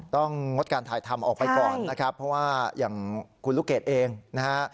งดการถ่ายทำออกไปก่อนนะครับเพราะว่าอย่างคุณลูกเกดเองนะฮะ